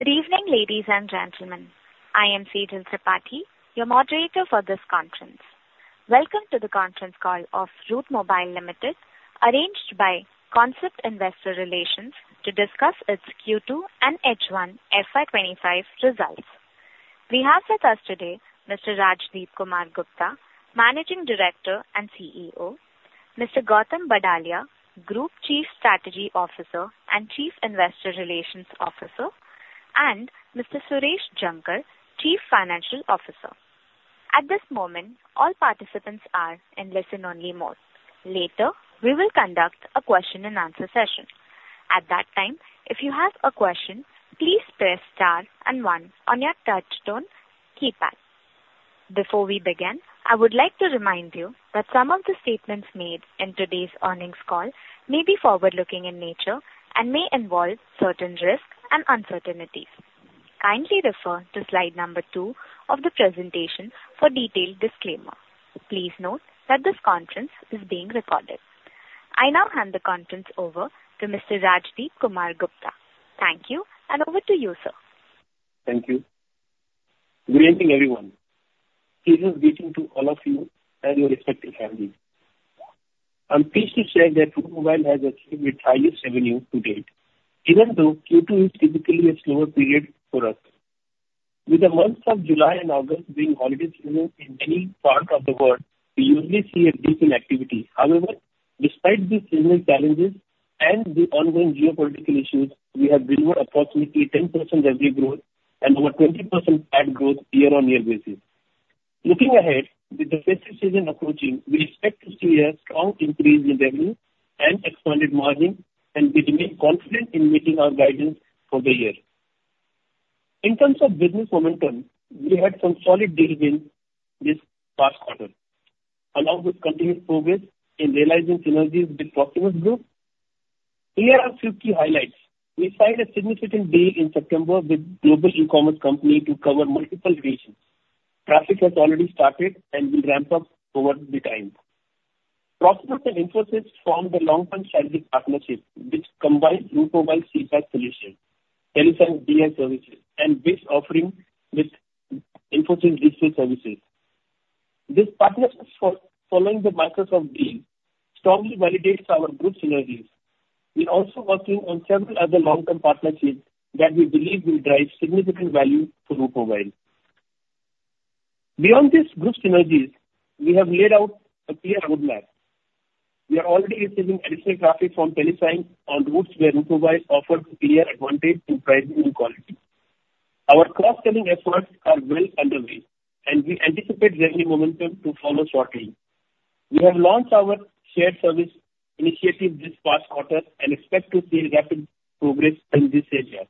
Good evening, ladies and gentlemen. I am Sejal Tripathi, your moderator for this conference. Welcome to the conference call of Route Mobile Limited, arranged by Concept Investor Relations to discuss its Q2 and H1 FY 2025 results. We have with us today Mr. Rajdipkumar Gupta, Managing Director and CEO, Mr. Gautam Badalia, Group Chief Strategy Officer and Chief Investor Relations Officer, and Mr. Suresh Jankar, Chief Financial Officer. At this moment, all participants are in listen-only mode. Later, we will conduct a question and answer session. At that time, if you have a question, please press star and one on your touchtone keypad. Before we begin, I would like to remind you that some of the statements made in today's earnings call may be forward-looking in nature and may involve certain risks and uncertainties. Kindly refer to slide number two of the presentation for detailed disclaimer. Please note that this conference is being recorded. I now hand the conference over to Mr. Rajdipkumar Gupta. Thank you, and over to you, sir. Thank you. Good evening, everyone. Season's greetings to all of you and your respective families. I'm pleased to say that Route Mobile has achieved its highest revenue to date, even though Q2 is typically a slower period for us. With the months of July and August being holiday season in many parts of the world, we usually see a dip in activity. However, despite these seasonal challenges and the ongoing geopolitical issues, we have delivered approximately 10% revenue growth and over 20% EBITDA growth year-on-year basis. Looking ahead, with the festive season approaching, we expect to see a strong increase in revenue and expanded margin, and we remain confident in meeting our guidance for the year. In terms of business momentum, we had some solid deals in this past quarter, along with continuous progress in realizing synergies with Proximus Group. Here are a few key highlights: We signed a significant deal in September with global e-commerce company to cover multiple regions. Traffic has already started and will ramp up over the time. Proximus and Infosys formed a long-term strategic partnership, which combines Route Mobile CPaaS solution, TeleSign DI services, and this offering with Infosys digital services. This partnership, following the Microsoft deal, strongly validates our group synergies. We're also working on several other long-term partnerships that we believe will drive significant value to Route Mobile. Beyond these group synergies, we have laid out a clear roadmap. We are already receiving additional traffic from TeleSign on routes where Route Mobile offers clear advantage in price and quality. Our cross-selling efforts are well underway, and we anticipate revenue momentum to follow shortly. We have launched our shared service initiative this past quarter and expect to see rapid progress in this area.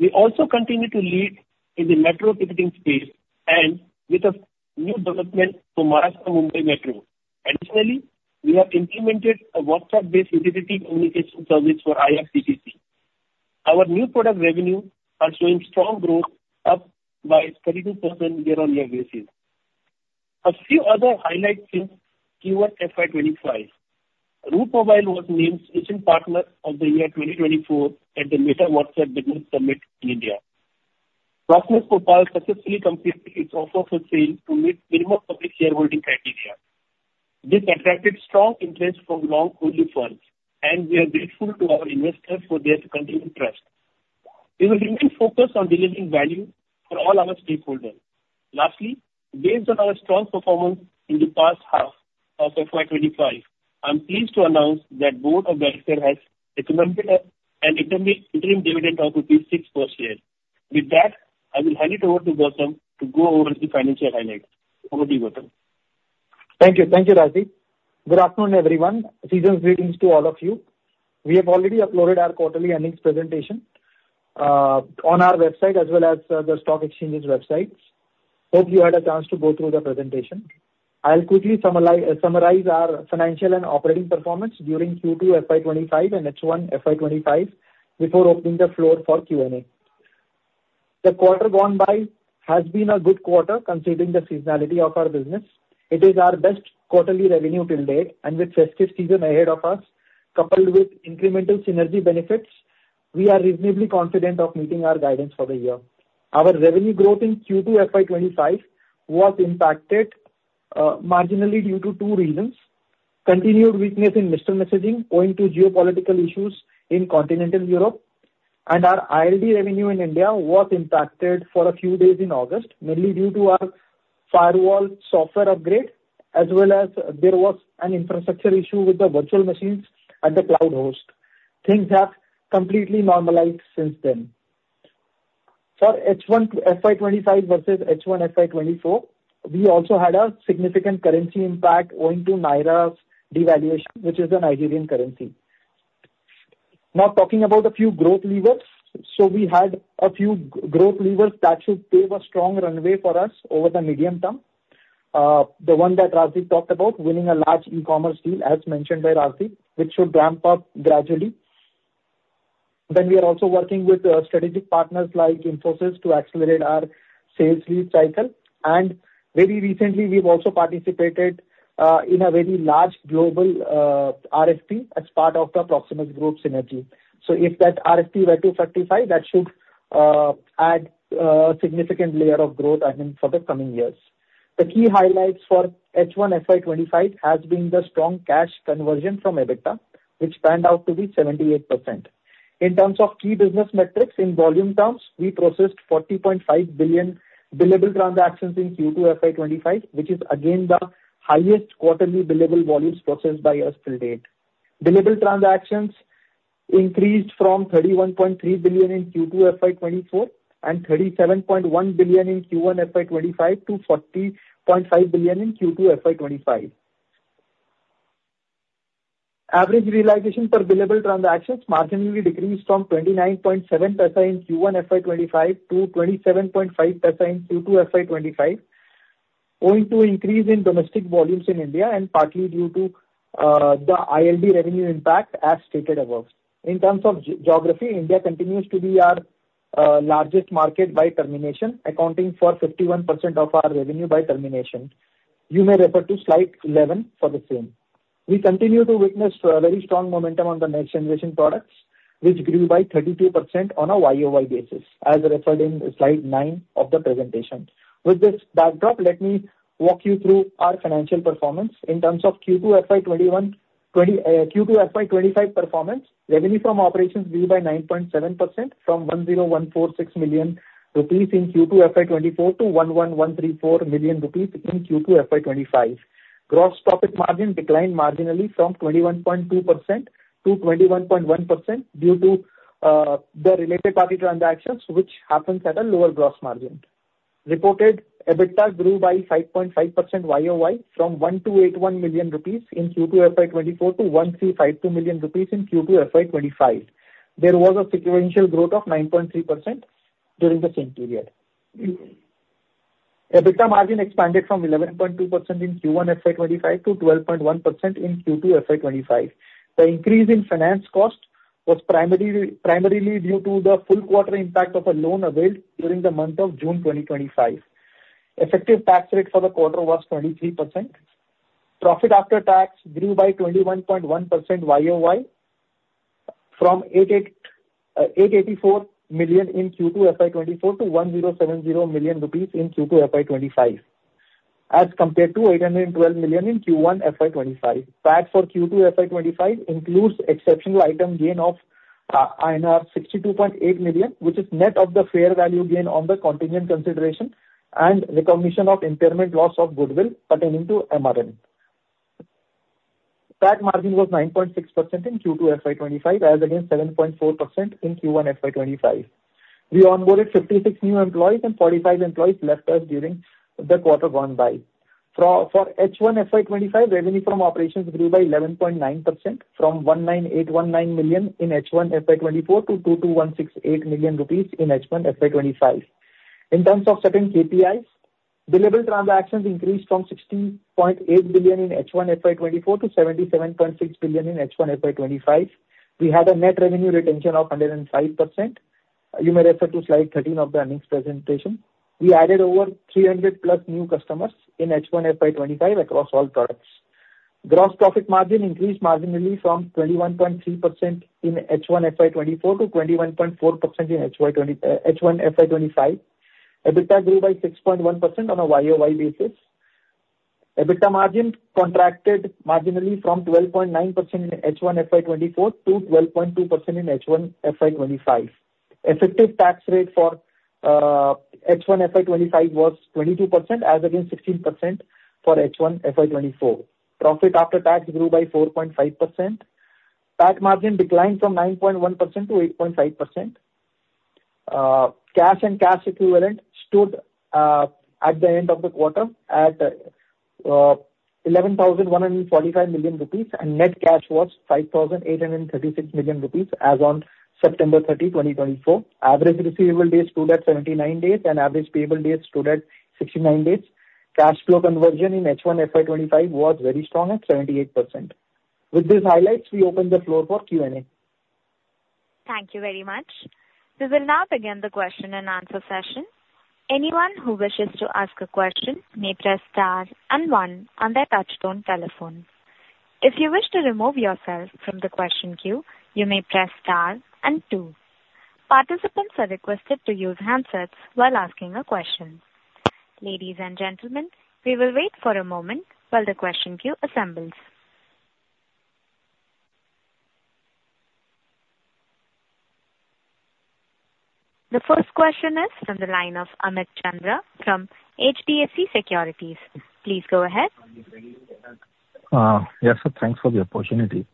We also continue to lead in the metro ticketing space and with a new development for Maha Mumbai Metro. Additionally, we have implemented a WhatsApp-based utility communication service for IRCTC. Our new product revenue are showing strong growth, up by 32% year-on-year basis. A few other highlights since Q1 FY 2025. Route Mobile was named Leading Partner of the Year 2024 at the Meta WhatsApp Business Summit in India. Proximus Opal successfully completed its offer for scale to meet minimum public shareholding criteria. This attracted strong interest from long-only funds, and we are grateful to our investors for their continued trust. We will remain focused on delivering value for all our stakeholders. Lastly, based on our strong performance in the past 1/2 of FY 2025, I'm pleased to announce that Board of Directors has recommended an interim dividend of 6 per share. With that, I will hand it over to Gautam to go over the financial highlights. Over to you, Gautam. Thank you. Thank you, Rajdip. Good afternoon, everyone. Season's greetings to all of you. We have already uploaded our quarterly earnings presentation on our website as well as the stock exchanges websites. Hope you had a chance to go through the presentation. I'll quickly summarize our financial and operating performance during Q2 FY 2025 and H1 FY 2025 opening the floor for Q&A. The quarter gone by has been a good quarter, considering the seasonality of our business. It is our best quarterly revenue till date, and with festive season ahead of us, coupled with incremental synergy benefits, we are reasonably confident of meeting our guidance for the year. Our revenue growth in Q2 FY 2025 was impacted marginally due to two reasons: continued weakness in digital messaging, owing to geopolitical issues in Continental Europe, and our ILD revenue in India was impacted for a few days in August, mainly due to our firewall software upgrade, as well as there was an infrastructure issue with the virtual machines at the cloud host. Things have completely normalized since then. For H1 FY 2025 versus H1 FY 2024, we also had a significant currency impact owing to Naira's devaluation, which is the Nigerian currency. Now, talking about a few growth levers. So we had a few growth levers that should pave a strong runway for us over the medium term. The one that Rajdip talked about, winning a large e-commerce deal, as mentioned by Rajdip, which should ramp up gradually. Then we are also working with strategic partners like Infosys to accelerate our sales lead cycle. And very recently, we've also participated in a very large global RFP as part of the Proximus Group synergy. So if that RFP were to fructify, that should add significant layer of growth, I mean, for the coming years. The key highlights for H1 FY 2025 has been the strong cash conversion from EBITDA, which panned out to be 78%. In terms of key business metrics, in volume terms, we processed 40.5 billion billable transactions in Q2 FY 2025, which is again the highest quarterly billable volumes processed by us till date. Billable transactions increased from 31.3 billion in Q2 FY 2024 and 37.1 billion in Q1 FY 2025 to 40.5 billion in Q2 FY 2025. Average realization per billable transactions marginally decreased from 29.7% in Q1 FY 2025-27.5% in Q2 FY 2025, owing to increase in domestic volumes in India and partly due to the ILD revenue impact as stated above. In terms of geography, India continues to be our largest market by termination, accounting for 51% of our revenue by termination. You may refer to slide 11 for the same. We continue to witness very strong momentum on the next generation products, which grew by 32% on a YoY basis, as referred in slide nine of the presentation. With this backdrop, let me walk you through our financial performance. In terms of Q2 FY 2024, Q2 FY 2025 performance, revenue from operations grew by 9.7% from 101.46 million rupees in Q2 FY 2024-INR 111.34 million in Q2 FY 2025. Gross profit margin declined marginally from 21.2%-21.1% due to the related party transactions, which happens at a lower gross margin. Reported EBITDA grew by 5.5% YoY from 12.81 million rupees in Q2 FY 2024-INR 13.52 million in Q2 FY 2025. There was a sequential growth of 9.3% during the same period. EBITDA margin expanded from 11.2% in Q1 FY 2025 to 12.1% in Q2 FY 2025. The increase in finance cost was primarily due to the full quarter impact of a loan availed during the month of June 2025. Effective tax rate for the quarter was 23%. Profit after tax grew by 21.1% YoY from 884 million in Q2 FY 2025-INR 1,070 million rupees in Q2 FY 2025, as compared to 812 million in Q1 FY 2025. PAT for Q2 FY 2025 includes exceptional item gain of INR 62.8 million, which is net of the fair value gain on the contingent consideration and recognition of impairment loss of goodwill pertaining to MRN. PAT margin was 9.6% in Q2 FY 2025, as against 7.4% in Q1 FY 2025. We onboarded 56 new employees, and 45 employees left us during the quarter gone by. For H1 FY 2025, revenue from operations grew by 11.9% from 1,981.9 million in H1 FY 2024-INR 2,216.8 million in H1 FY 2025. In terms of certain KPIs, billable transactions increased from 60.8 billion in H1 FY 2024-INR 77.6 billion in H1 FY 2025. We had a net revenue retention of 105%. You may refer to slide 13 of the earnings presentation. We added over 300+ new customers in H1 FY 2025 across all products. Gross profit margin increased marginally from 21.3% in H1 FY 2024 to 21.4% in H1 FY 2025. EBITDA grew by 6.1% on a YoY basis. EBITDA margin contracted marginally from 12.9% in H1 FY 2024-12.2% in H1 FY 2025. Effective tax rate for H1 FY 2025 was 22%, as against 16% for H1 FY 2024. Profit after tax grew by 4.5%. PAT margin declined from 9.1%-8.5%. Cash and cash equivalent stood at the end of the quarter at 11,145 million rupees, and net cash was 5,836 million rupees as on September 30, 2024. Average receivable days stood at 79 days, and average payable days stood at 69 days. Cash flow conversion in H1 FY 2025 was very strong at 78%. With these highlights, we open the floor for Q&A. Thank you very much. We will now begin the question and answer session. Anyone who wishes to ask a question may press star and one on their touchtone telephone. If you wish to remove yourself from the question queue, you may press star and two. Participants are requested to use handsets while asking a question. Ladies and gentlemen, we will wait for a moment while the question queue assembles. The first question is from the line of Amit Chandra from HDFC Securities. Please go ahead. Yes, sir. Thanks for the opportunity.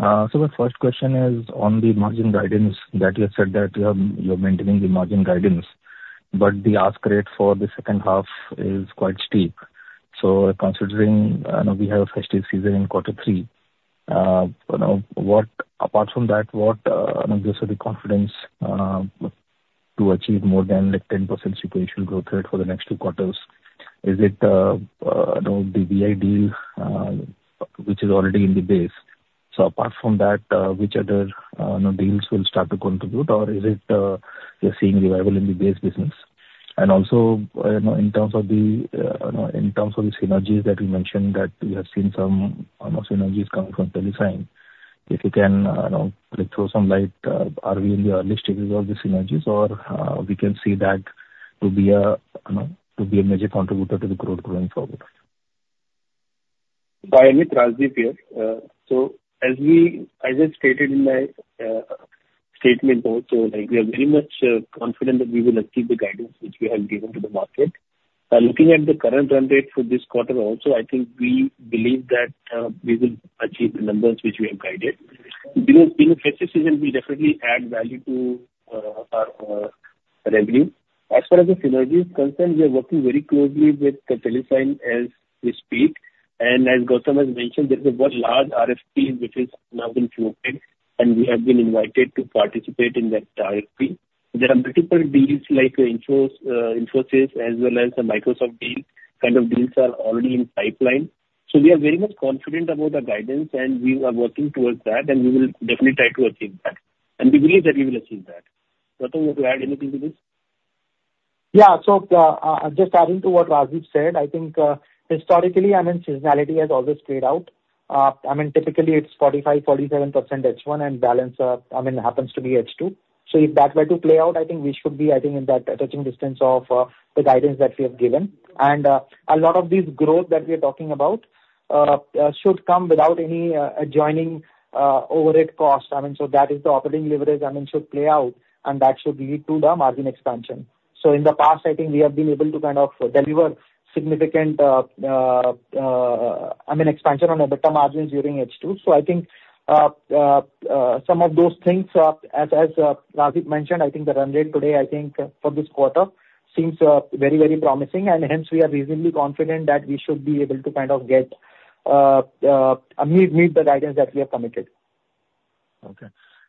So the first question is on the margin guidance, that you have said that you are maintaining the margin guidance, but the ask rate for the second half is quite steep. So considering now we have festive season in quarter three, you know, what... Apart from that, what, you know, gives you the confidence to achieve more than the 10% sequential growth rate for the next two quarters? Is it, you know, the Vi deal, which is already in the base? So apart from that, which other, you know, deals will start to contribute, or is it, you're seeing revival in the base business? And also, you know, in terms of the synergies that you mentioned, that you have seen some synergies coming from TeleSign. If you can, you know, like throw some light, are we in the early stages of the synergies or we can see that to be a, you know, to be a major contributor to the growth going forward? Hi, it's Rajdip here. So as we, as I stated in my statement also, like, we are very much confident that we will achieve the guidance which we have given to the market. By looking at the current run rate for this quarter also, I think we believe that we will achieve the numbers which we have guided. Because in the festive season, we definitely add value to our revenue. As far as the synergy is concerned, we are working very closely with TeleSign as we speak. And as Gautam has mentioned, there is a very large RFP which is now been floated, and we have been invited to participate in that RFP. There are multiple deals like Infosys, as well as the Microsoft deal. Kind of deals are already in the pipeline. So we are very much confident about the guidance, and we are working towards that, and we will definitely try to achieve that. And we believe that we will achieve that. Gautam, you want to add anything to this? Yeah. So, just adding to what Rajdip said, I think, historically, I mean, seasonality has always played out. I mean, typically it's 45%-47% H1, and balance, I mean, happens to be H2. So if that were to play out, I think we should be, I think, in that touching distance of the guidance that we have given. And, a lot of this growth that we are talking about should come without any additional overhead costs. I mean, so that is the operating leverage, I mean, should play out, and that should lead to the margin expansion. So in the past, I think we have been able to kind of deliver significant, I mean, expansion on EBITDA margins during H2. So I think some of those things are, as Rajdip mentioned, I think the run rate today, I think for this quarter, seems very, very promising, and hence, we are reasonably confident that we should be able to kind of meet the guidance that we have committed. Okay.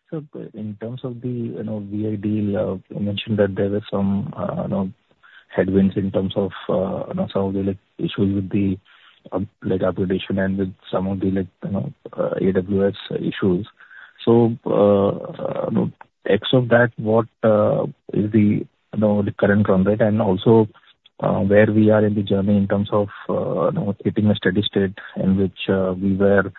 So in terms of the, you know, Vi deal, you mentioned that there were some, you know, headwinds in terms of, you know, some of the, like, issues with the, like, acquisition and with some of the, like, you know, AWS issues. So, ex of that, what is the, you know, the current run rate? And also, where we are in the journey in terms of, you know, hitting a steady state in which, we were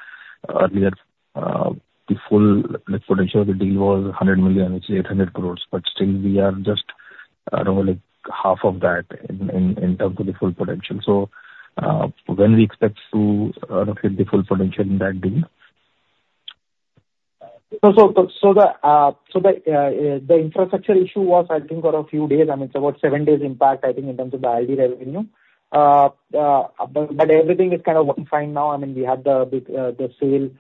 earlier, the full, like, potential of the deal was 100 million, which is 800 crores, but still we are just, you know, like, 1/2 of that in terms of the full potential. So, when we expect to hit the full potential in that deal? The infrastructure issue was, I think, for a few days. I mean, it's about seven days impact, I think, in terms of the ILD revenue. But everything is kind of working fine now. I mean, we have the sale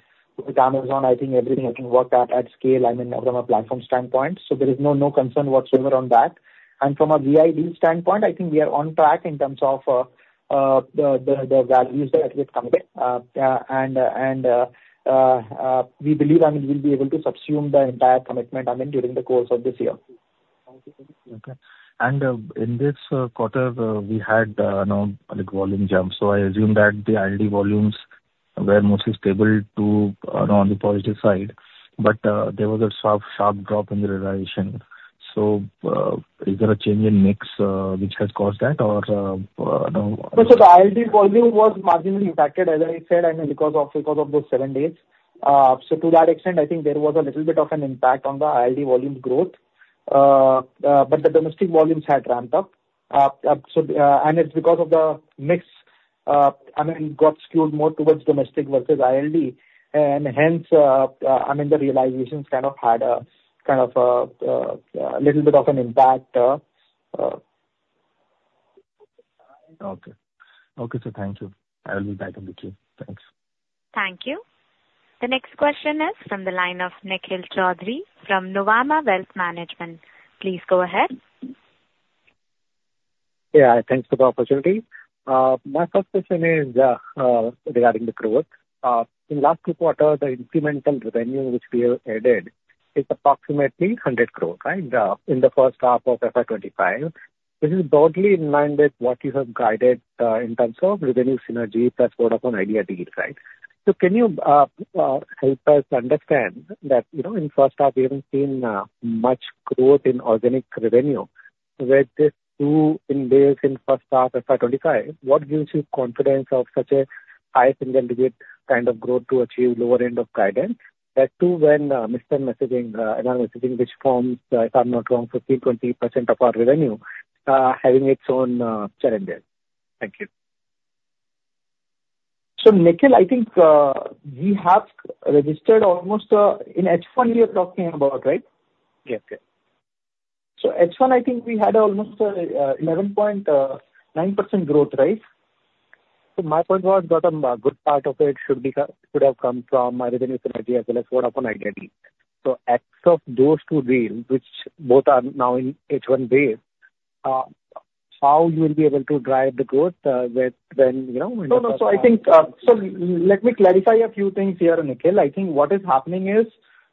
with Amazon. I think everything worked at scale, I mean, from a platform standpoint. There is no concern whatsoever on that. From a Vi deal standpoint, I think we are on track in terms of the values that we've committed. We believe, I mean, we'll be able to subsume the entire commitment, I mean, during the course of this year. Okay. And in this quarter we had, you know, like, volume jump. So I assume that the ILD volumes were mostly stable to on the positive side. But there was a sharp, sharp drop in the realization. So is there a change in mix which has caused that, or you know- No, so the ILD volume was marginally impacted, as I said, I mean, because of those seven days. So to that extent, I think there was a little bit of an impact on the ILD volume growth. But the domestic volumes had ramped up. So, and it's because of the mix, I mean, got skewed more towards domestic versus ILD. And hence, I mean, the realizations kind of had a kind of a little bit of an impact. Okay. Okay, so thank you. I will be back in the queue. Thanks. Thank you. The next question is from the line of Nikhil Choudhary from Nuvama Wealth Management. Please go ahead. Yeah, thanks for the opportunity. My first question is regarding the growth. In last quarter, the incremental revenue which we have added is approximately 100 crore, right? In the first half of FY 2025. This is broadly in line with what you have guided in terms of revenue synergy, plus Vodafone Idea site, right? So can you help us understand that, you know, in first half, we haven't seen much growth in organic revenue with just 10DLC in first half FY 2025. What gives you confidence of such a high single-digit kind of growth to achieve lower end of guidance? That too, when missed in messaging and messaging which forms, if I'm not wrong, 15%-20% of our revenue, having its own challenges. Thank you. So, Nikhil, I think we have registered almost in H1 you are talking about, right? Yes, yes. H1, I think we had almost 11.9% growth, right? So my point was, Gautam, a good part of it should be could have come from within your synergy as well as Idea. So ex of those two deals, which both are now in H1 base, how you will be able to drive the growth, with when, you know- No, no. So I think, so let me clarify a few things here, Nikhil. I think what is happening is,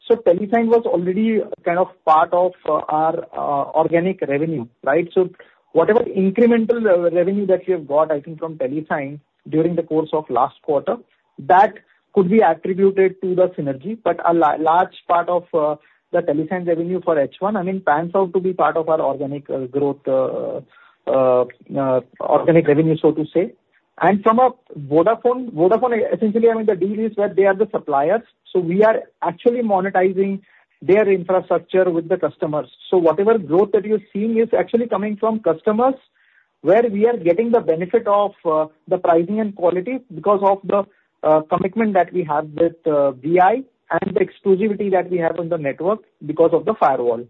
so TeleSign was already kind of part of our organic revenue, right? So whatever incremental revenue that we have got, I think, from TeleSign during the course of last quarter, that could be attributed to the synergy. But a large part of the TeleSign revenue for H1, I mean, pans out to be part of our organic growth, organic revenue, so to say. And from Vodafone, essentially, I mean, the deal is where they are the suppliers, so we are actually monetizing their infrastructure with the customers. So whatever growth that you're seeing is actually coming from customers, where we are getting the benefit of the pricing and quality because of the commitment that we have with Vi and the exclusivity that we have on the network because of the firewall.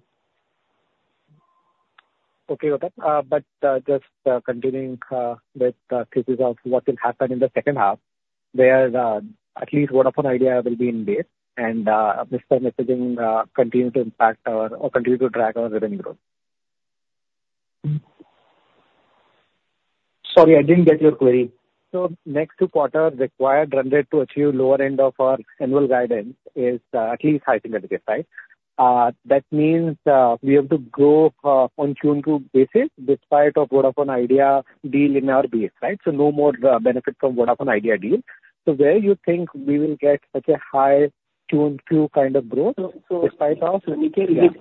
Okay, Gautam. But just continuing with the thesis of what will happen in the second half, where at least Vodafone Idea will be in place, and M.R. messaging continue to impact us or continue to drag our revenue growth? Sorry, I didn't get your query. So next two quarters, required run rate to achieve lower end of our annual guidance is at least highly significant, right? That means we have to grow on a 100% basis despite Vodafone Idea deal in our base, right? So no more benefit from Vodafone Idea deal. So where you think we will get such a high double-digit kind of growth despite our- Nikhil.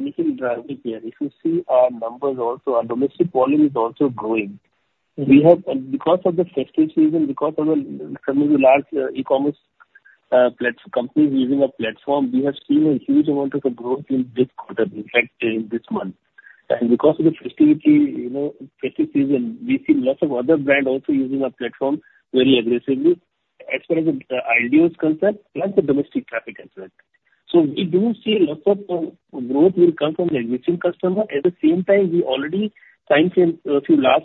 If you see our numbers also, our domestic volume is also growing. We have, because of the festive season, because of some of the large e-commerce platform companies using our platform, we have seen a huge amount of growth in this quarter, in fact, in this month. And because of the festivity, you know, festive season, we've seen lots of other brand also using our platform very aggressively. As far as the ILD is concerned, plus the domestic traffic as well. So we do see lots of growth will come from the existing customer. At the same time, we already signed some, a few large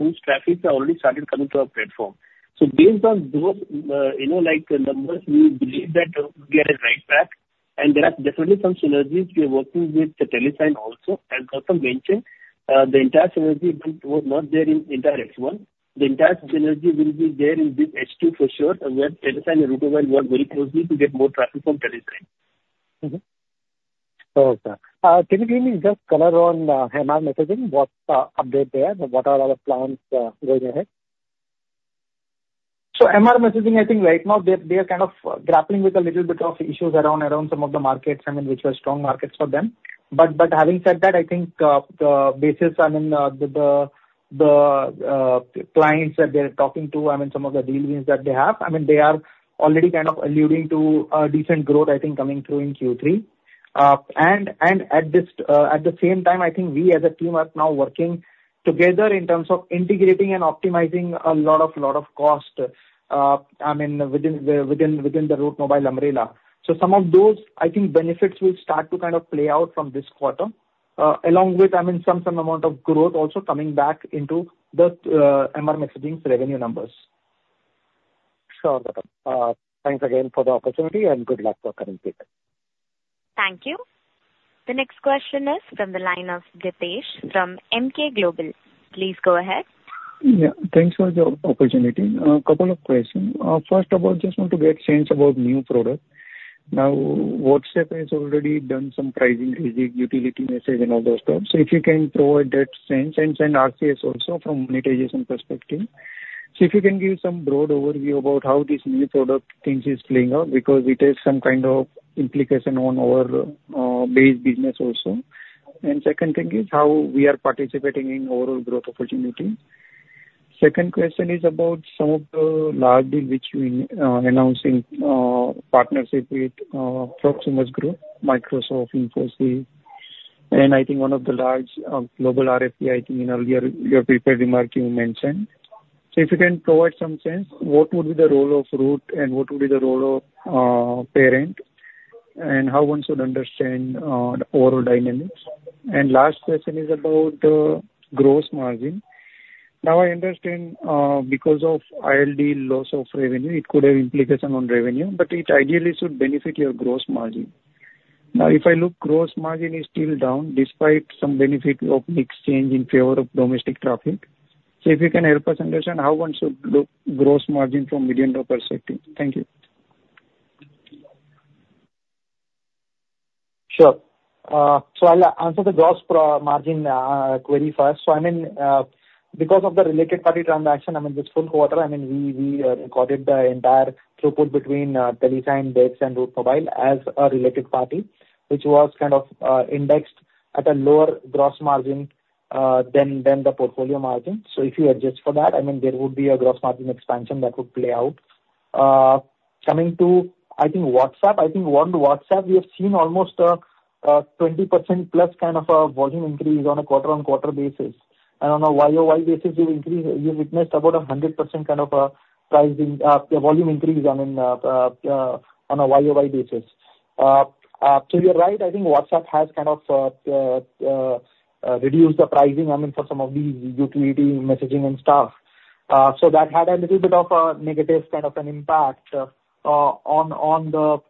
customer whose traffics are already started coming to our platform. So based on those, you know, like, numbers, we believe that we are right back. And there are definitely some synergies. We are working with the TeleSign also. As Gautam mentioned, the entire synergy was not there in entire H1. The entire synergy will be there in this H2 for sure, and where TeleSign and Route Mobile work very closely to get more traffic from TeleSign. Mm-hmm. Okay. Can you give me just color on MR Messaging? What update there, and what are our plans going ahead? M.R. Messaging, I think right now, they are kind of grappling with a little bit of issues around some of the markets, I mean, which were strong markets for them. But having said that, I think the basis, I mean, the clients that they're talking to, I mean, some of the deal wins that they have, I mean, they are already kind of alluding to a decent growth, I think, coming through in Q3. And at the same time, I think we as a team are now working together in terms of integrating and optimizing a lot of cost, I mean, within the Route Mobile umbrella. So some of those, I think, benefits will start to kind of play out from this quarter, along with, I mean, some amount of growth also coming back into the MR Messaging's revenue numbers. Sure, Gautam. Thanks again for the opportunity, and good luck for coming quarter. Thank you. The next question is from the line of Dipesh from Emkay Global. Please go ahead. Yeah, thanks for the opportunity. A couple of questions. First of all, just want to get sense about new product. Now, WhatsApp has already done some pricing, basic utility message and all those stuff. So if you can provide that sense, and RCS also from monetization perspective. So if you can give some broad overview about how this new product things is playing out, because it has some kind of implication on our base business also. And second thing is how we are participating in overall growth opportunity. Second question is about some of the large deal which you announcing, partnership with Proximus Group, Microsoft, Infosys, and I think one of the large global RFP, I think in your prepared remark you mentioned. So if you can provide some sense, what would be the role of Route and what would be the role of parent, and how one should understand the overall dynamics? And last question is about gross margin. Now, I understand because of ILD loss of revenue, it could have implication on revenue, but it ideally should benefit your gross margin. Now, if I look, gross margin is still down, despite some benefit of mix change in favor of domestic traffic. So if you can help us understand how one should look gross margin from million dollar perspective. Thank you. Sure. So I'll answer the gross margin query first. So I mean, because of the related party transaction, I mean, this full quarter, I mean, we recorded the entire throughput between TeleSign, BICS, and Route Mobile as a related party, which was kind of indexed at a lower gross margin than the portfolio margin. So if you adjust for that, I mean, there would be a gross margin expansion that would play out. Coming to, I think, WhatsApp, I think on WhatsApp, we have seen almost 20%+ kind of a volume increase on a quarter-on-quarter basis. And on a YoY basis, we've increased - we've witnessed about a hundred percent kind of pricing volume increase, I mean, on a YoY basis. So you're right. I think WhatsApp has kind of reduced the pricing, I mean, for some of these utility messaging and stuff. So that had a little bit of a negative kind of an impact on the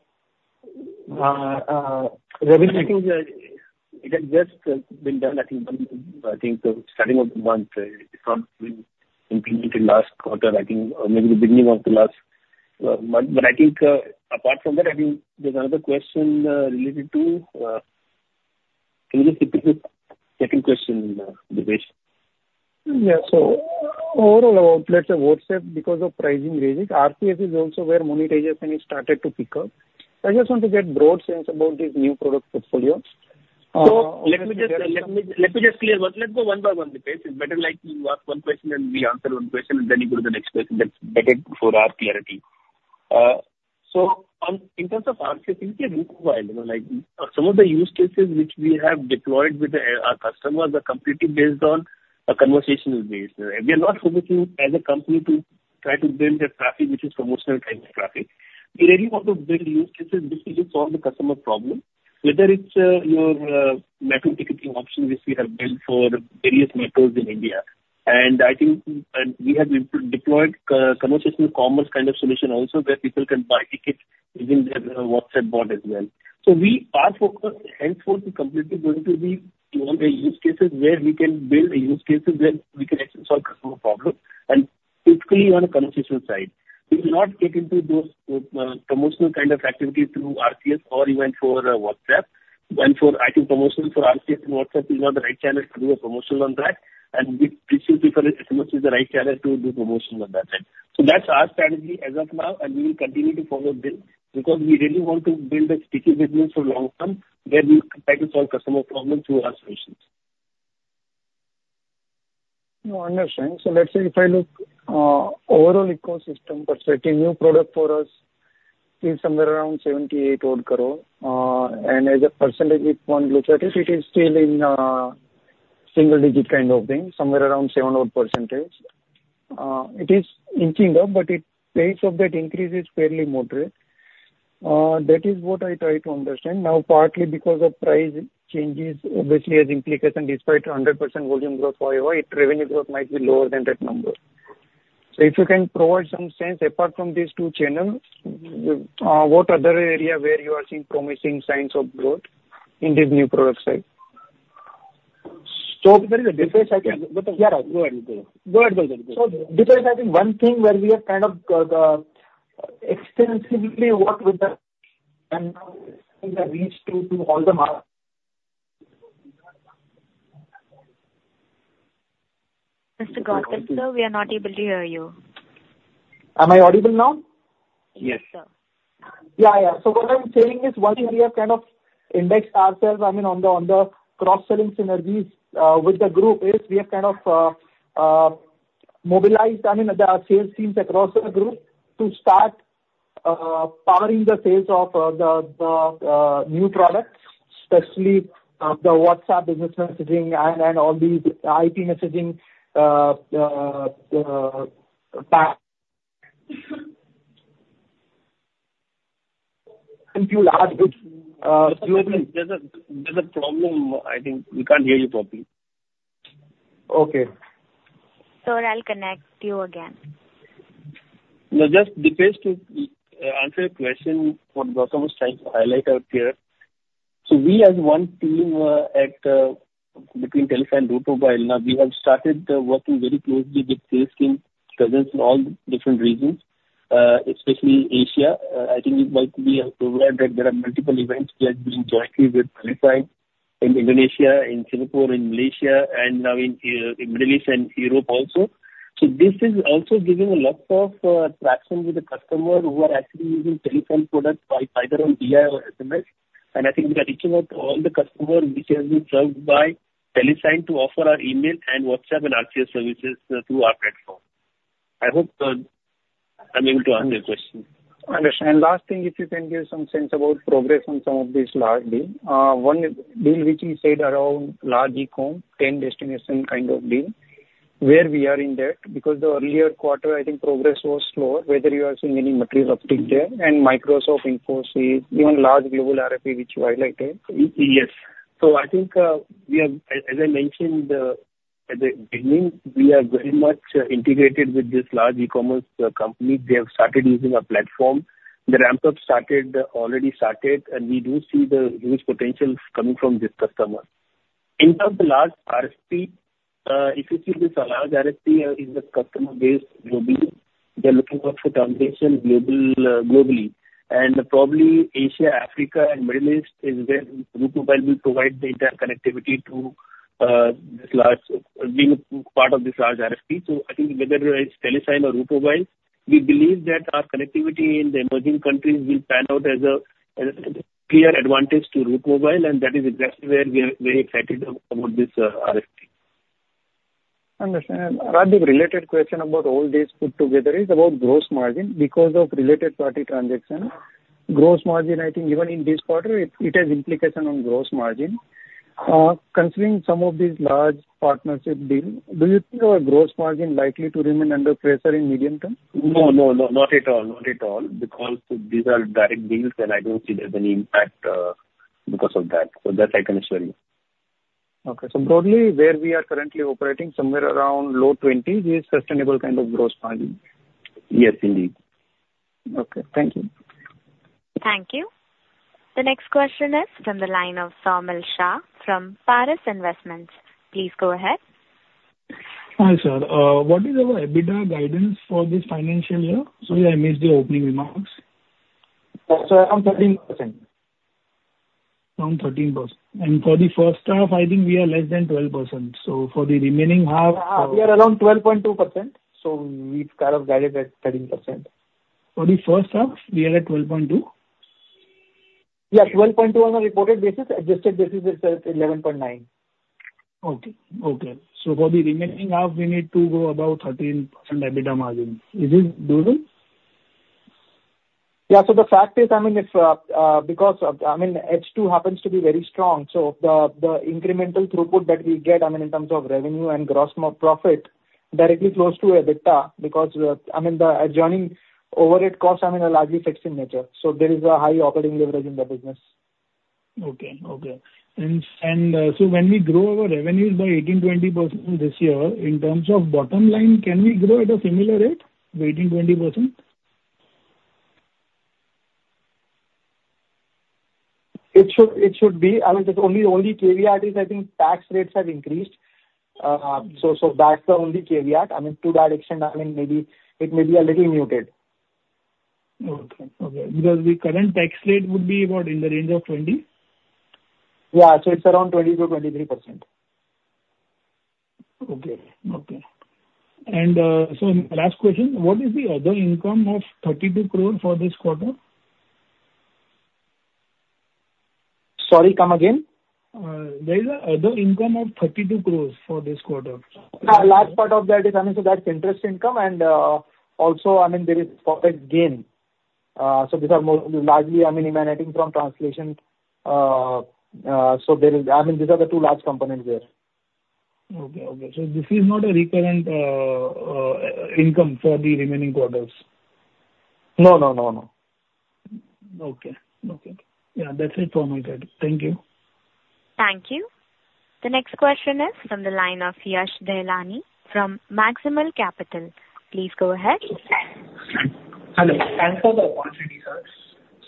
revenue. I think, it has just been done, I think, I think the starting of the month, it's not been included in last quarter, I think, or maybe the beginning of the last, month. But I think, apart from that, I think there's another question, related to... Can you just repeat the second question, Dipesh? Yeah. So overall, let's say WhatsApp, because of pricing reasons. RCS is also where monetization has started to pick up. I just want to get broad sense about this new product portfolio.... So let me just clear one. Let's go one by one, Dipesh. It's better like you ask one question and we answer one question, and then you go to the next question. That's better for our clarity. So on, in terms of RCS, I think in Route Mobile, like, some of the use cases which we have deployed with our customers are completely based on a conversational base. We are not looking as a company to try to build a traffic which is promotional type of traffic. We really want to build use cases which will solve the customer problem, whether it's your metro ticketing option, which we have built for various metros in India. I think, and we have deployed conversational commerce kind of solution also, where people can buy tickets within their WhatsApp Bot as well. So we are focused henceforth completely going to be on the use cases where we can build use cases where we can actually solve customer problems and basically on a conversation side. We will not get into those promotional kind of activities through RCS or even through WhatsApp. And for it promotions, for RCS and WhatsApp is not the right channel to do a promotion on that, and we still prefer SMS is the right channel to do promotion on that end. So that's our strategy as of now, and we will continue to follow this, because we really want to build a sticky business for long term, where we try to solve customer problems through our solutions. No, understand. So let's say if I look, overall ecosystem perspective, new product for us is somewhere around 78 crore. And as a percentage if one looks at it, it is still in, single-digit kind of thing, somewhere around seven odd percentage. It is inching up, but it... pace of that increase is fairly moderate. That is what I try to understand. Now, partly because of price changes, obviously has implication despite a 100% volume growth for YoY, its revenue growth might be lower than that number. So if you can provide some sense, apart from these two channels, what other area where you are seeing promising signs of growth in this new product side? So there is a difference, I think. Yeah. Go ahead, Gautam. Go ahead, Dipesh. So, because I think one thing where we have kind of extensively worked with the, and now we have reached to all the market- Mr. Gautam, sir, we are not able to hear you. Am I audible now? Yes. Yes, sir. Yeah, yeah. So what I'm saying is, one area kind of indexed ourselves, I mean, on the cross-selling synergies with the group is we have kind of mobilized, I mean, our sales teams across the group to start powering the sales of the new products, especially the WhatsApp Business messaging and all the IP Messaging, and to large groups. There's a problem. I think we can't hear you properly. Okay. Sir, I'll connect you again. No, just Dipesh to answer your question what Gautam was trying to highlight out here. So we as one team, at, between TeleSign and Route Mobile, now we have started working very closely with sales team presence in all different regions, especially Asia. I think you might be aware that there are multiple events we are doing jointly with TeleSign in Indonesia, in Singapore, in Malaysia and now in Middle East and Europe also. So this is also giving a lot of traction with the customer who are actually using TeleSign products by either on DI or SMS. And I think we are reaching out to all the customers which have been served by TeleSign to offer our email and WhatsApp and RCS services through our platform. I hope I'm able to answer your question. Understand. Last thing, if you can give some sense about progress on some of these large deals. One deal which you said around large e-com, ten destination kind of deal, where we are in that? Because the earlier quarter, I think progress was slow, whether you are seeing any material uptick there, and Microsoft, Infosys, even large global RFP which you highlighted. Yes. So I think. As I mentioned at the beginning, we are very much integrated with this large e-commerce company. They have started using our platform. The ramp-up started already, and we do see the huge potential coming from this customer. In terms of large RFP, if you see this large RFP is a customer base globally. They're looking out for transmission globally. And probably Asia, Africa and Middle East is where Route Mobile will provide the data connectivity to this large being part of this large RFP. So I think whether it's TeleSign or Route Mobile, we believe that our connectivity in the emerging countries will pan out as a clear advantage to Route Mobile, and that is exactly where we are very excited about this RFP. Understand. And Rajdip, related question about all this put together is about gross margin. Because of related party transaction, gross margin, I think even in this quarter, it, it has implication on gross margin. Considering some of these large partnership deals, do you think our gross margin likely to remain under pressure in medium term? No, no, no, not at all. Not at all, because these are direct deals, and I don't see there's any impact, because of that. So that I can assure you. Broadly, where we are currently operating, somewhere around low twenties is sustainable kind of gross margin? Yes, indeed. Okay. Thank you. Thank you. The next question is from the line of Saumil Shah from Paras Investments. Please go ahead. Hi, sir. What is our EBITDA guidance for this financial year? Sorry, I missed the opening remarks. So around 13%. Around 13%. And for the first half, I think we are less than 12%. So for the remaining half- We are around 12.2%, so we've kind of guided at 13%. ...For the first half, we are at 12.2%? Yeah, 12.2% on a reported basis, adjusted basis is at 11.9%. Okay, okay. So for the remaining half, we need to go about 13% EBITDA margin. Is this doable? Yeah. So the fact is, I mean, it's because of, I mean, H2 happens to be very strong, so the incremental throughput that we get, I mean, in terms of revenue and gross profit, directly flows to EBITDA, because, I mean, the ongoing overhead costs are largely fixed in nature. So there is a high operating leverage in the business. Okay, okay. And, so when we grow our revenues by 18%-20% this year, in terms of bottom line, can we grow at a similar rate to 18%-20%? It should, it should be. I mean, the only caveat is, I think tax rates have increased. So that's the only caveat. I mean, to that extent, I mean, maybe it may be a little muted. Okay, okay. Because the current tax rate would be what? In the range of 20%? Yeah. So it's around 20%-23%. Okay, okay. And so last question: What is the other income of 32 crore for this quarter? Sorry, come again? There is other income of 32 crore for this quarter. A large part of that is, I mean, so that's interest income and, also, I mean, there is foreign gain. So these are largely, I mean, emanating from translation, so there is... I mean, these are the two large components there. Okay, okay. So this is not a recurring income for the remaining quarters? No, no, no, no. Okay, okay. Yeah, that's it from my side. Thank you. Thank you. The next question is from the line of Yash Dedhia from Maximal Capital. Please go ahead. Hello. Thanks for the opportunity, sir.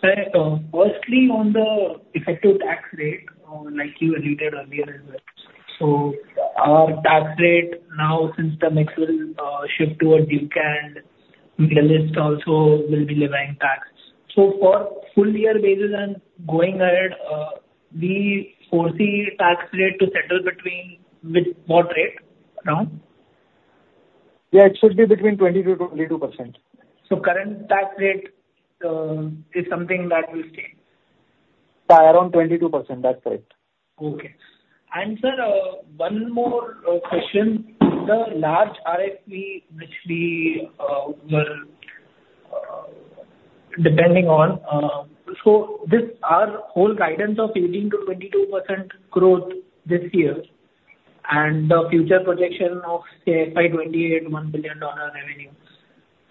Sir, firstly, on the effective tax rate, like you alluded earlier as well. So, tax rate now, since the mix will shift towards you and Middle East also will be levying tax. So for full year basis and going ahead, we foresee tax rate to settle between which, what rate around? Yeah, it should be between 20%-22%. So, current tax rate is something that will stay? Around 22%. That's right. Okay. And sir, one more question. The large RFP, which we were depending on, so this, our whole guidance of 18%-22% growth this year, and the future projection of, say, by 2028, $1 billion revenue.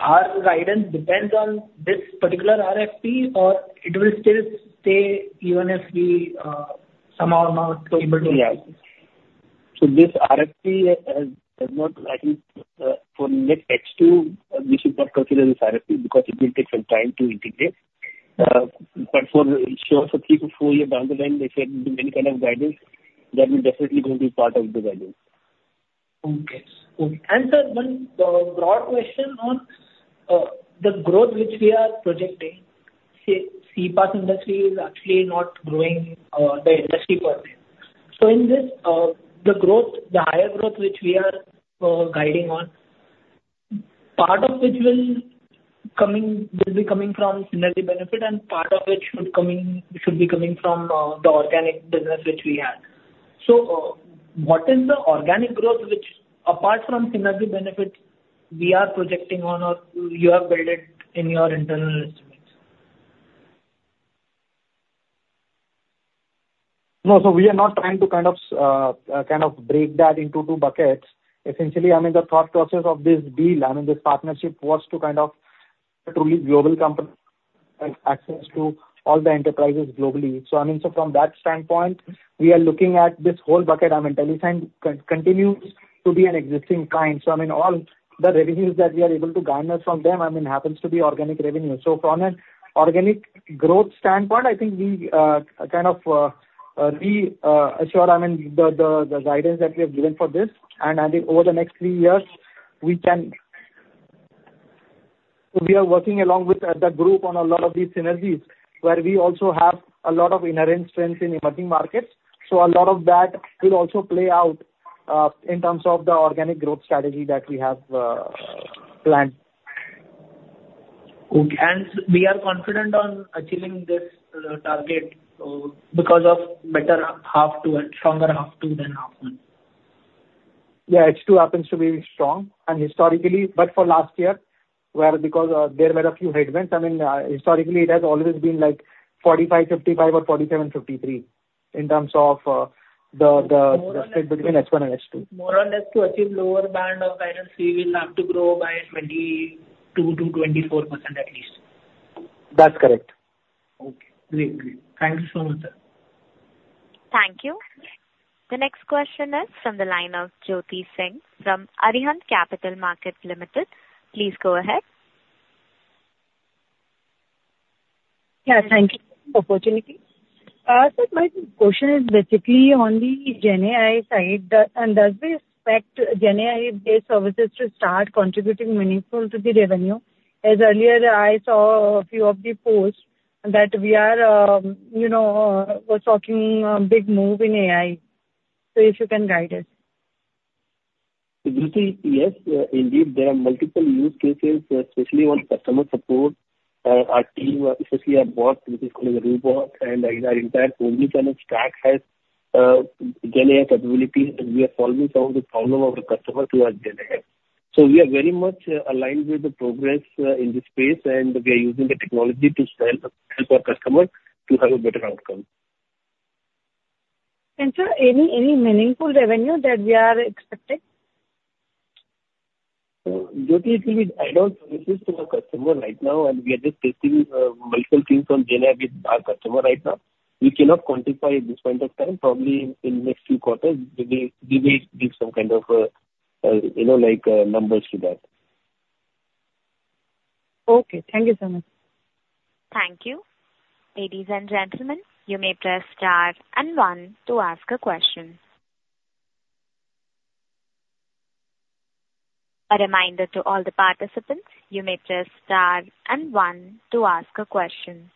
Our guidance depends on this particular RFP, or it will still stay even if we somehow not able to? Yeah. So this RFP has not, I think, for next H2, we should not consider this RFP because it will take some time to integrate. But for sure, for three to four years down the line, they said many kind of values that will definitely going to be part of the value. Okay. Okay. And sir, one broad question on the growth which we are projecting. Say, CPaaS industry is actually not growing, the industry per se. So in this, the growth, the higher growth which we are guiding on, part of which will be coming from synergy benefit, and part of it should be coming from the organic business which we have. So, what is the organic growth, which apart from synergy benefits, we are projecting on or you have built it in your internal estimates? No, so we are not trying to kind of, kind of break that into two buckets. Essentially, I mean, the thought process of this deal, I mean, this partnership was to kind of a truly global company, access to all the enterprises globally. So, I mean, so from that standpoint, we are looking at this whole bucket. I mean, TeleSign continues to be an existing client, so, I mean, all the revenues that we are able to garner from them, I mean, happens to be organic revenue. So from an organic growth standpoint, I think we, kind of, reassure, I mean, the guidance that we have given for this. And I think over the next three years, we can... We are working along with the group on a lot of these synergies, where we also have a lot of inherent strength in emerging markets, so a lot of that will also play out in terms of the organic growth strategy that we have planned. Okay. And we are confident on achieving this target because of better H2 and stronger H2 than H1? Yeah, H2 happens to be strong and historically, but for last year, where because there were a few headwinds. I mean, historically, it has always been like 45%-55% or 47%-53% in terms of the. More or less. Between H1 and H2. More or less, to achieve lower band of guidance, we will have to grow by 22%-24%, at least. That's correct. Okay. Great. Great. Thank you so much, sir. Thank you. The next question is from the line of Jyoti Singh from Arihant Capital Markets Limited. Please go ahead. Yeah, thank you for the opportunity, so my question is basically on the GenAI side. Do we expect GenAI-based services to start contributing meaningful to the revenue? As earlier, I saw a few of the posts that we are, you know, talking big move in AI, so if you can guide us.... So Jyoti, yes, indeed, there are multiple use cases, especially on customer support. Our team, especially our bot, which is called Roubot, and, like, our entire Omnichannel Stack has GenAI capability, and we are solving some of the problems of the customer through our GenAI. So we are very much aligned with the progress in this space, and we are using the technology to help our customer to have a better outcome. Sir, any meaningful revenue that we are expecting? Jyoti, it will be add-on services to the customer right now, and we are just testing multiple things on GenAI with our customer right now. We cannot quantify at this point of time. Probably in the next few quarters, we will, we may give some kind of, you know, like, numbers to that. Okay. Thank you so much. Thank you. Ladies and gentlemen, you may press star and one to ask a question. A reminder to all the participants, you may press star and one to ask a question.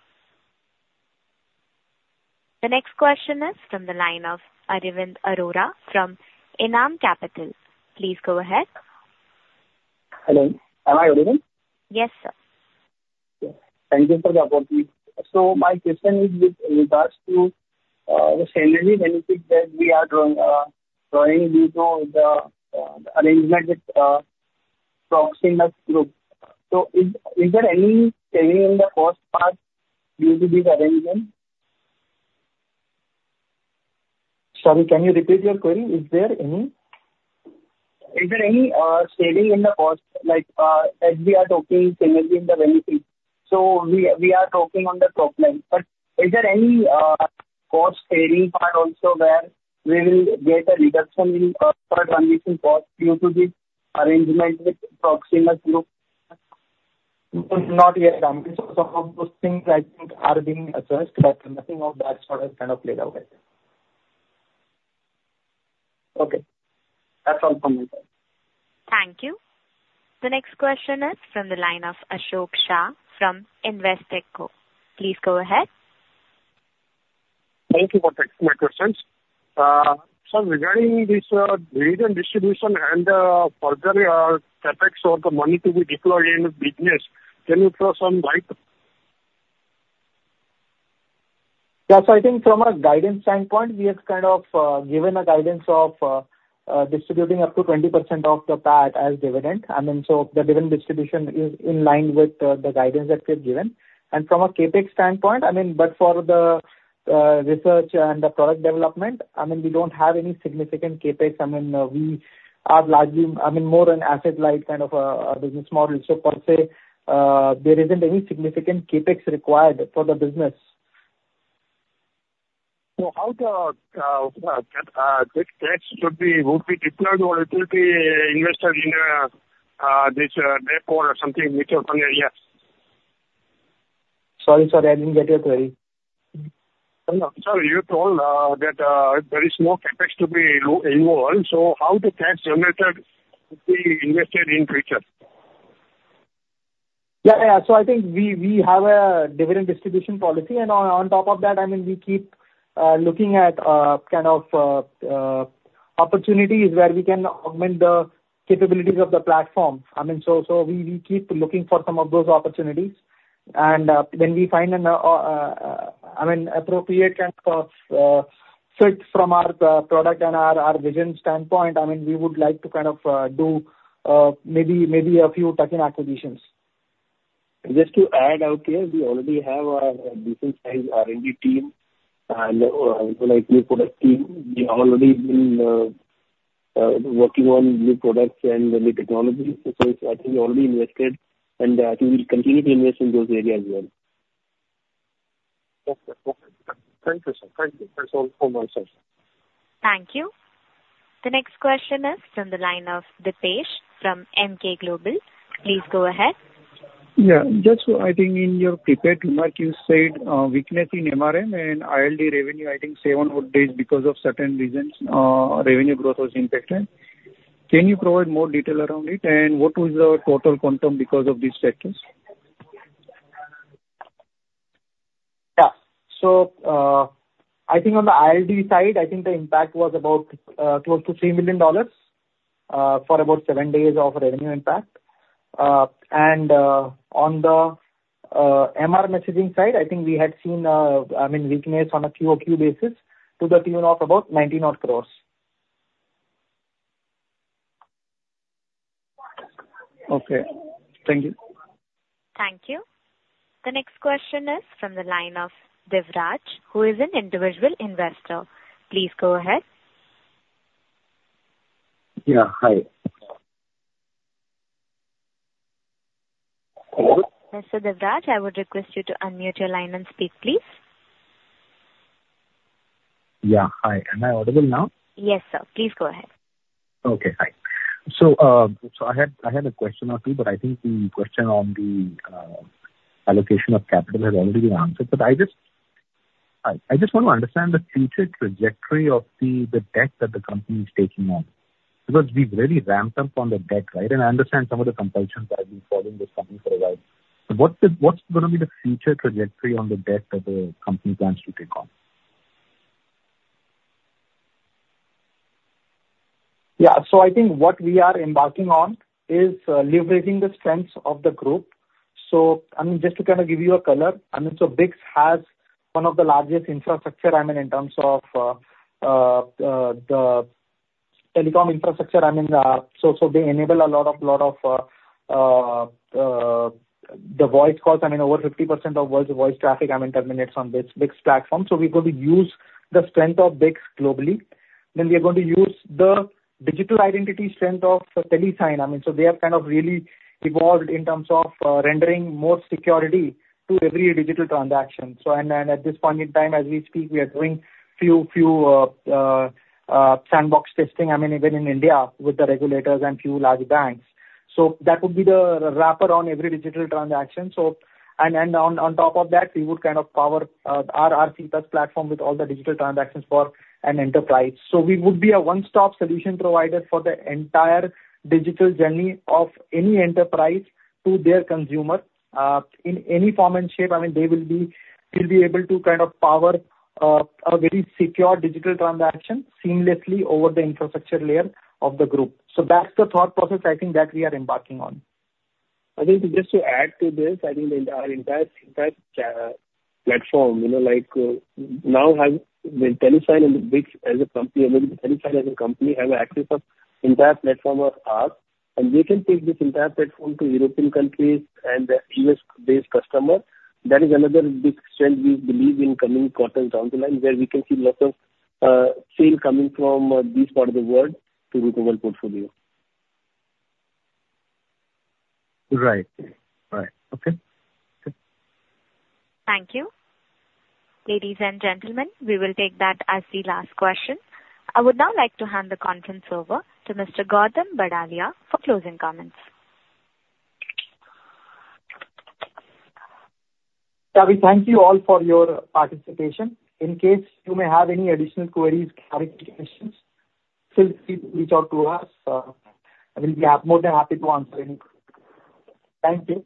The next question is from the line of Arvind Arora from Enam Capital. Please go ahead. Hello, am I audible? Yes, sir. Thank you for the opportunity. So my question is with regards to the synergy benefit that we are drawing, drawing due to the arrangement with Proximus Group. So is there any change in the first part due to this arrangement? Sorry, can you repeat your query? Is there any... Is there any saving in the cost, like, as we are talking synergy in the benefit? So we are talking on the problem, but is there any cost saving part also where we will get a reduction in per transaction cost due to the arrangement with Proximus Group? Not yet, some of those things I think are being assessed, but nothing of that sort is kind of laid out right now. Okay, that's all from my side. Thank you. The next question is from the line of Ashok Shah from Investec. Please go ahead. Thank you for taking my questions. So regarding this, dividend distribution and further CapEx or the money to be deployed in the business, can you throw some light? Yeah, so I think from a guidance standpoint, we have kind of given a guidance of distributing up to 20% of the PAT as dividend. I mean, so the dividend distribution is in line with the guidance that we have given, and from a CapEx standpoint, I mean, but for the research and the product development, I mean, we don't have any significant CapEx. I mean, we are largely, I mean, more an asset-light kind of a business model. So per se, there isn't any significant CapEx required for the business. So, how this cash should be, would be deployed or it will be invested in this New Products or something which you have on your hands? Sorry, sir, I didn't get your query. Sir, you told that there is no CapEx to be involved, so how the cash generated will be invested in future? Yeah, yeah. So I think we have a dividend distribution policy, and on top of that, I mean, we keep looking at kind of opportunities where we can augment the capabilities of the platform. I mean, so we keep looking for some of those opportunities. And when we find an I mean appropriate kind of fit from our product and our vision standpoint, I mean, we would like to kind of do maybe a few tuck-in acquisitions. Just to add out here, we already have a decent-sized R&D team and, like, new product team. We already been working on new products and the new technologies. So I think we already invested, and I think we'll continue to invest in those areas as well. Okay. Okay. Thank you, sir. Thank you. That's all from my side. Thank you. The next question is from the line of Dipesh from Emkay Global. Please go ahead. Yeah, just so I think in your prepared remarks, you said, weakness in MRM and ILD revenue, I think seven workdays because of certain reasons, revenue growth was impacted. Can you provide more detail around it? And what was the total quantum because of these factors? Yeah. So, I think on the ILD side, I think the impact was about close to $3 million for about seven days of revenue impact, and on the MR Messaging side, I think we had seen, I mean, weakness on a QoQ basis to the tune of about 99 crore. Okay. Thank you. Thank you. The next question is from the line of Devraj, who is an individual investor. Please go ahead. Yeah, hi. Mr. Devraj, I would request you to unmute your line and speak, please. Yeah, hi. Am I audible now? Yes, sir. Please go ahead. Okay, hi. So, I had a question or two, but I think the question on the allocation of capital has already been answered. But I just... I just want to understand the future trajectory of the debt that the company is taking on, because we've really ramped up on the debt, right? And I understand some of the compulsions. I've been following this company for a while. So what's going to be the future trajectory on the debt that the company plans to take on? ... Yeah, so I think what we are embarking on is leveraging the strengths of the group. So, I mean, just to kind of give you a color, I mean, so BICS has one of the largest infrastructure, I mean, in terms of the telecom infrastructure, I mean, so they enable a lot of the voice calls. I mean, over 50% of voice traffic, I mean, terminates on BICS platform. So we're going to use the strength of BICS globally. Then we are going to use the digital identity strength of TeleSign. I mean, so they have kind of really evolved in terms of rendering more security to every digital transaction. And then, at this point in time, as we speak, we are doing a few sandbox testing, I mean, even in India, with the regulators and a few large banks. That would be the wrapper on every digital transaction. And on top of that, we would kind of power our RCS platform with all the digital transactions for an enterprise. We would be a one-stop solution provider for the entire digital journey of any enterprise to their consumer, in any form and shape. I mean, they will be, we'll be able to kind of power a very secure digital transaction seamlessly over the infrastructure layer of the group. That's the thought process I think that we are embarking on. I think just to add to this, I think our entire platform, you know, like, now has the TeleSign and BICS as a company, I mean, TeleSign as a company, have access of entire platform of ours, and we can take this entire platform to European countries and the US-based customer. That is another big strength we believe in coming quarters down the line, where we can see lots of sales coming from this part of the world to recover portfolio. Right. Right. Okay. Thank you. Ladies and gentlemen, we will take that as the last question. I would now like to hand the conference over to Mr. Gautam Badalia for closing comments. Yeah, we thank you all for your participation. In case you may have any additional queries, clarifications, please reach out to us, and we'll be more than happy to answer any. Thank you.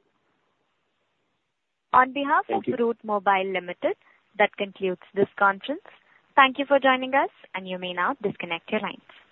On behalf of Route Mobile Limited, that concludes this conference. Thank you for joining us, and you may now disconnect your lines.